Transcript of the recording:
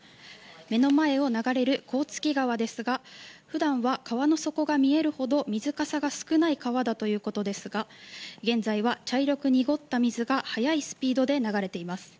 目の前を流れる甲突川ですが普段は川の底が見えるほど水かさが少ない川だということですが現在は茶色く濁った水が速いスピードで流れています。